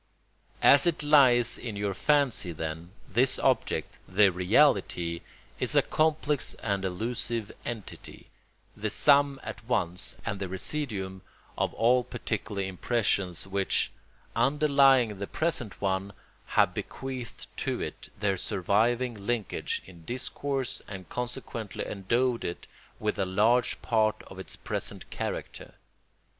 As it lies in your fancy, then, this object, the reality, is a complex and elusive entity, the sum at once and the residuum of all particular impressions which, underlying the present one, have bequeathed to it their surviving linkage in discourse and consequently endowed it with a large part of its present character.